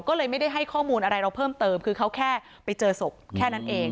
ก็เลยไม่ได้ให้ข้อมูลอะไรเราเพิ่มเติมคือเขาแค่ไปเจอศพแค่นั้นเอง